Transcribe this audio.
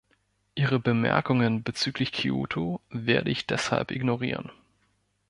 Ihre Bemerkungen bezüglich Kyoto werde ich deshalb ignorieren.